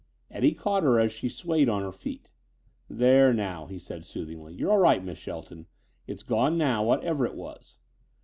Eddie caught her as she swayed on her feet. "There now," he said soothingly, "you're all right, Miss Shelton. It's gone now, whatever it was."